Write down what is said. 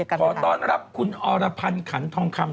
ขอต้อนรับคุณอรพันธ์ขันทองคำ